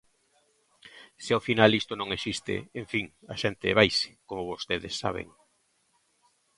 Se ao final isto non existe, en fin, a xente vaise, como vostedes saben.